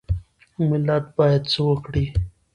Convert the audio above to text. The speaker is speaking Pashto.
ملت باید څه وکړي؟